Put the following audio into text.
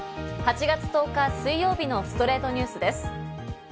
８月１０日、水曜日の『ストレイトニュース』です。